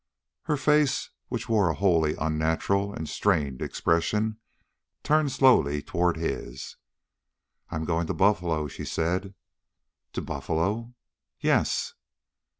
Her face, which wore a wholly unnatural and strained expression, turned slowly toward his. "I am going to Buffalo," she said. "To Buffalo?" "Yes."